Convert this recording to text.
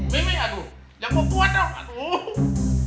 mie mie aduh jangan mau puat dong aduh